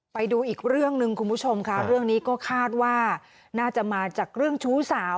ไปดูอีกเรื่องหนึ่งคุณผู้ชมค่ะเรื่องนี้ก็คาดว่าน่าจะมาจากเรื่องชู้สาว